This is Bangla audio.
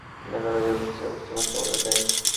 আর গলাও জ্বলতেছে, এ অবস্থায় কথা বলাই দায়।